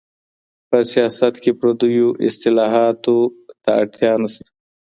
په سياست کي پرديو اصطلاحاتو ته اړتيا نشته.